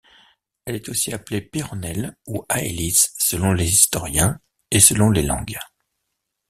Elle est aussi appelée Péronnelle ou Aelis, selon les historiens et selon les langues.